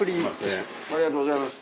ありがとうございます。